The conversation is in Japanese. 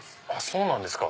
そうなんですか。